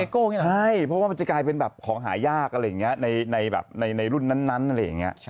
ใช่เพราะว่ามันจะกลายเป็นแบบของหายากอะไรอย่างนี้ในรุ่นนั้นอะไรอย่างนี้